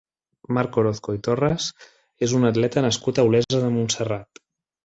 Marc Orozco i Torres és un atleta nascut a Olesa de Montserrat.